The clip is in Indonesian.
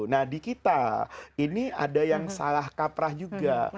nah di kita ini ada yang salah kaprah juga